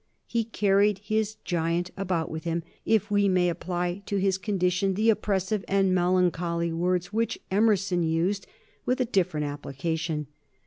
He carried his giant about with him, if we may apply to his condition the expressive and melancholy words which Emerson used with a different application.